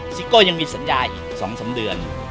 ซิโก้ยังมีสัญญาอีก๒๓เดือน